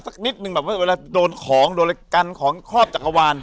สักนิดนึงแบบว่าเวลาโดนของโดนอะไรกันของครอบจักรวาล